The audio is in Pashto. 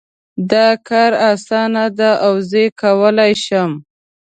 دا کار اسانه ده او زه یې کولای شم